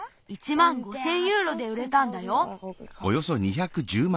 まん５，０００ユーロでうれたんだよ。